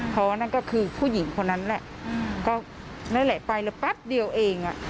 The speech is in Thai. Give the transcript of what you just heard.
เพราะว่านั่นก็คือผู้หญิงคนนั้นแหละก็นั่นแหละไปเลยแป๊บเดียวเอง